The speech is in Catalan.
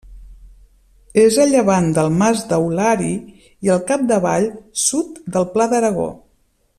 És a llevant del Mas d'Aulari i al capdavall -sud- del Pla d'Aragó.